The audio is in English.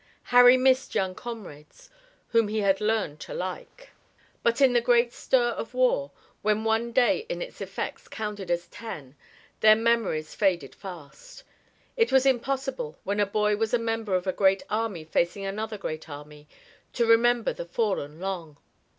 Harry missed young comrades whom he had learned to like. But in the great stir of war, when one day in its effects counted as ten, their memories faded fast. It was impossible, when a boy was a member of a great army facing another great army, to remember the fallen long.